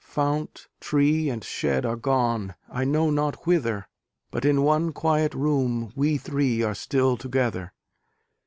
Fount, tree and shed are gone, I know not whither, But in one quiet room we three are still together.